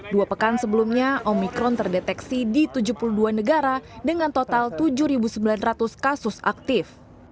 dua pekan sebelumnya omikron terdeteksi di tujuh puluh dua negara dengan total tujuh sembilan ratus kasus aktif